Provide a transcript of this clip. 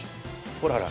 ほらほら。